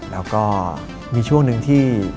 แล้วก็มีช่วงหนึ่งที่